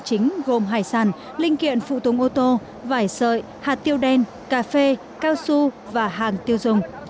chính gồm hải sản linh kiện phụ tùng ô tô vải sợi hạt tiêu đen cà phê cao su và hàng tiêu dùng